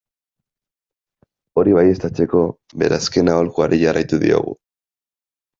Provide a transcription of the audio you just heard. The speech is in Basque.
Hori baieztatzeko, bere azken aholkuari jarraitu diogu.